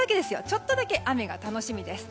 ちょっとだけ雨が楽しみです。